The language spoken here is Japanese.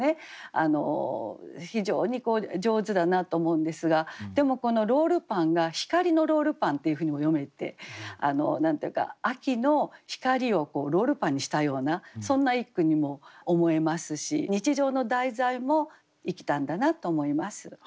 非常に上手だなと思うんですがでもこの「ロールパン」が「光のロールパン」っていうふうにも読めて何て言うか秋の光をこうロールパンにしたようなそんな一句にも思えますし日常の題材も生きたんだなと思います。